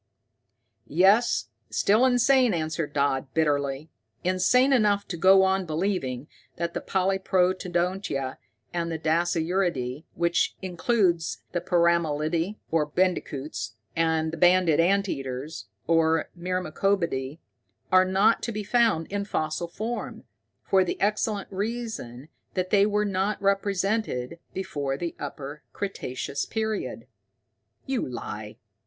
"Yes, still insane," answered Dodd bitterly. "Insane enough to go on believing that the polyprotodontia and the dasyuridae, which includes the peramelidae, or bandicoots, and the banded ant eaters, or myrmecobidae, are not to be found in fossil form, for the excellent reason that they were not represented before the Upper Cretaceous period." "You lie!